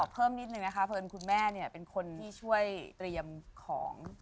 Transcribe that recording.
เพื่องานคุณแม่นี่เป็นคนช่วยเตรียมของ